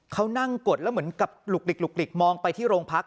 เขานั่งกดแล้วเหมือนกับหลุกมองไปที่โรงพัก